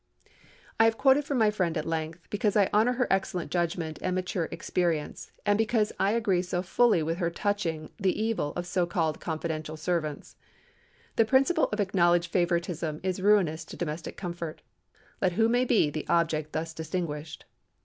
I have quoted from my friend at length, because I honor her excellent judgment and mature experience, and because I agree so fully with her touching the evil of so called confidential servants. The principle of acknowledged favoritism is ruinous to domestic comfort, let who may be the object thus distinguished.